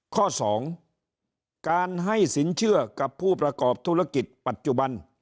ข้อ๒การให้สินเชื่อกับผู้ประกอบธุรกิจปัจจุบัน